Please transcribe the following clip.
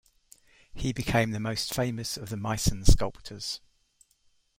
He became the most famous of the Meissen sculptors.